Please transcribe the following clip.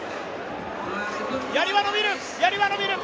やりはのびる！